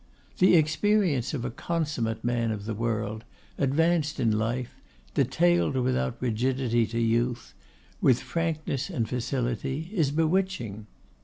The experience of a consummate man of the world, advanced in life, detailed without rigidity to youth, with frankness and facility, is bewitching.